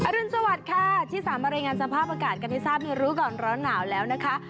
รุนสวัสดิ์ค่ะที่สามารถรายงานสภาพอากาศกันให้ทราบในรู้ก่อนร้อนหนาวแล้วนะคะ